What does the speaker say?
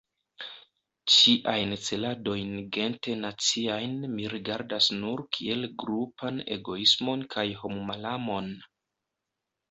Ĉiajn celadojn gente-naciajn mi rigardas nur kiel grupan egoismon kaj hommalamon.